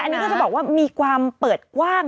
อันนี้ก็จะบอกว่ามีความเปิดกว้าง